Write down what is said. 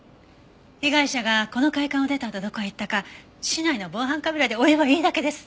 被害者がこの会館を出たあとどこへ行ったか市内の防犯カメラで追えばいいだけです。